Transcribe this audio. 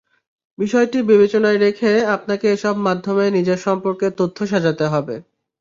বিষয়টি বিবেচনায় রেখে আপনাকে এসব মাধ্যমে নিজের সম্পর্কে তথ্য সাজাতে হবে।